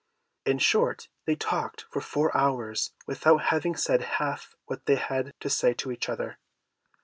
In short, they talked for four hours without having said half what they had to say to each other.